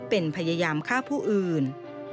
เป็นพยายามฆ่าผู้อื่น